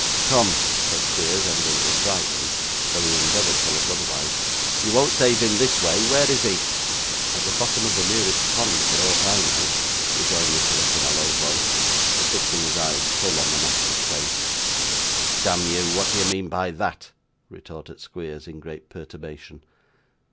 'Come,' said Squeers, evidently frightened, though he endeavoured to look otherwise, 'you won't save him this way. Where is he?' 'At the bottom of the nearest pond for aught I know,' rejoined Nicholas in a low voice, and fixing his eyes full on the master's face. 'Damn you, what do you mean by that?' retorted Squeers in great perturbation.